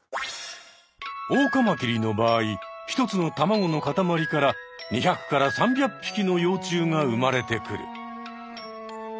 オオカマキリの場合１つの卵の塊から２００から３００匹の幼虫が生まれてくる。